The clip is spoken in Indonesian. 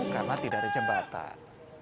karena tidak ada jembatan